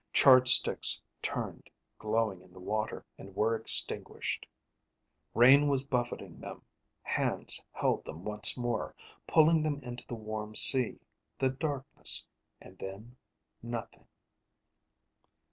Charred sticks turned, glowing in the water, and were extinguished. Rain was buffeting them; hands held them once more, pulling them into the warm sea, the darkness, and then nothing....